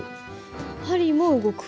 針も動く。